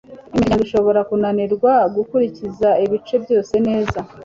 imiryango ishobora kunanirwa gukurikiza ibice byose neza